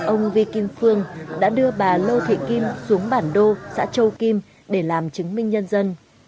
ông vi kim phương đã đưa bà lô thị kim xuống bản đô xã châu kim để làm chứng minh nhân dân